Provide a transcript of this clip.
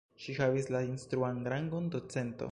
Ŝi havis la instruan rangon docento.